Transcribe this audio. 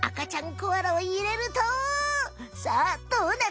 コアラをいれるとさあどうなる？